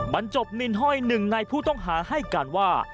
บรรจบนินห้อยหนึ่งในผู้ต้องหาให้การว่า